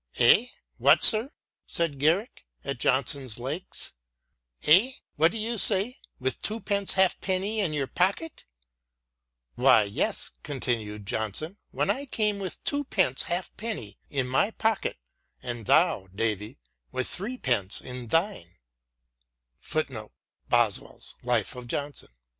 " Eh ! what, sir," said Garrick, at Johnson's legs, " eh ! what do you say, with twopence halfpenny in your podcet ?"" Why yes," continued Johnson, " when I came with twopence halfpenny in my pocket and thou, Davy, with three halfpence in thine."